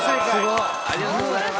ありがとうございます。